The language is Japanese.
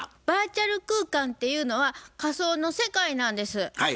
バーチャル空間っていうのは仮想の世界なんです。